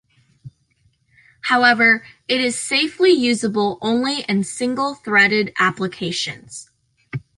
However, it is safely usable only in single-threaded applications.